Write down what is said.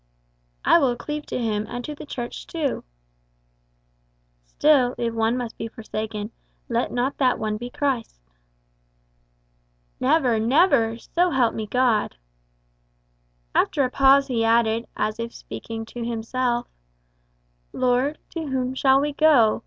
"I will cleave to him, and to the Church too." "Still, if one must be forsaken, let not that one be Christ." "Never, never so help me God!" After a pause he added, as if speaking to himself, "Lord, to whom shall we go?